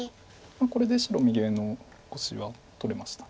これで白右上の５子は取れました。